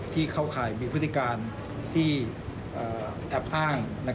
เข้าข่ายมีพฤติการที่แอบสร้าง